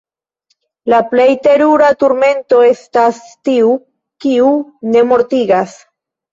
La plej terura turmento estas tiu, kiu ne mortigas!